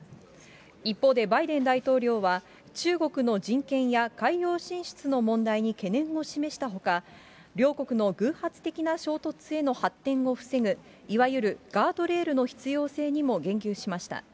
一方でバイデン大統領は、中国の人権や海洋進出の問題に懸念を示したほか、両国の偶発的な衝突への発展を防ぐ、いわゆるガードレールの必要性にも言及しました。